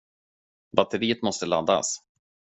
Batteriet måste laddas.